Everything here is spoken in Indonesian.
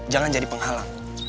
jangan jadi penghalang